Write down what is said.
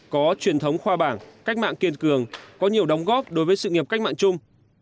có truyền thống khoa bảng cách mạng kiên cường có nhiều đóng góp đối với sự nghiệp cách mạng chung